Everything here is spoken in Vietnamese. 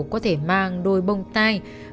có thể mang đôi bông tai